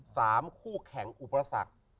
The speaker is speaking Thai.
คู่แข่งอุปสรรค